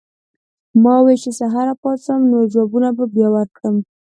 ما وې چې سحر راپاسم نور جوابونه به بیا ورکړم